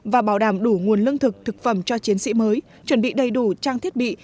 và bảo đảm đủ nguồn lương thực thực phẩm cho chiến sĩ mới chuẩn bị đầy đủ trang thiết bị